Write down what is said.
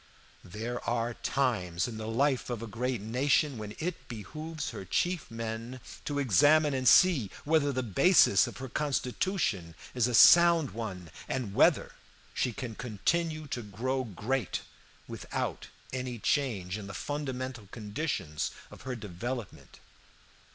There are times in the life of a great nation when it behooves her chief men to examine and see whether the basis of her constitution is a sound one, and whether she can continue to grow great without any change in the fundamental conditions of her development.